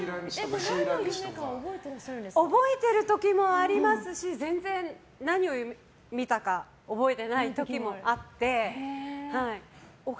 覚えてる時もありますし全然、何を見たか覚えてない時もあって。